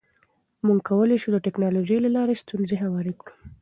موږ کولی شو د ټکنالوژۍ له لارې ستونزې هوارې کړو.